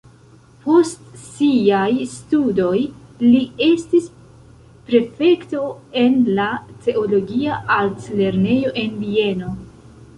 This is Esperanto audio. Post siaj studoj li estis prefekto en la teologia altlernejo en Vieno.